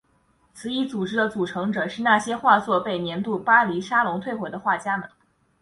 此一组织的组成者是那些画作被年度巴黎沙龙退回的画家们。